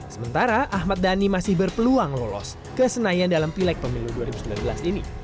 sementara ahmad dhani masih berpeluang lolos ke senayan dalam pileg pemilu dua ribu sembilan belas ini